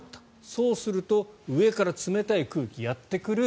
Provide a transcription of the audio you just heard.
そうすると上から冷たい空気がやってくる。